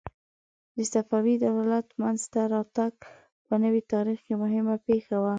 د صفوي دولت منځته راتګ په نوي تاریخ کې مهمه پېښه وه.